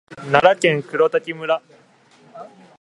奈良県黒滝村